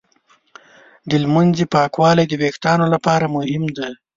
د ږمنځې پاکوالی د وېښتانو لپاره مهم دی.